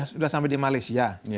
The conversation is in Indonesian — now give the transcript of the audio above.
sudah sampai di malaysia